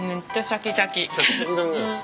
シャキシャキだね。